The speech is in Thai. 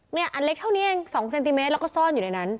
อันเล็กเท่านี้เอง๒เซนติเมตรแล้วก็ซ่อนอยู่ในนั้น